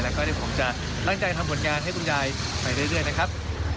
แล้วก็เดี๋ยวผมจะตั้งใจทำผลงานให้คุณยายไปเรื่อยนะครับ